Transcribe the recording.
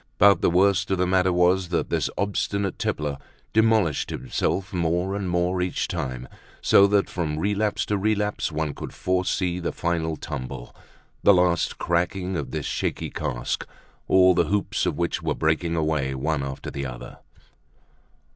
But the worst of the matter was that this obstinate tippler demolished himself more and more each time so that from relapse to relapse one could foresee the final tumble, the last cracking of this shaky cask, all the hoops of which were breaking away, one after the other.